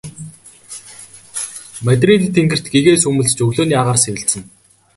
Мадридын тэнгэрт гэгээ сүүмэлзэж өглөөний агаар сэвэлзэнэ.